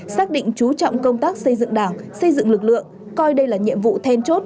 xác định chú trọng công tác xây dựng đảng xây dựng lực lượng coi đây là nhiệm vụ then chốt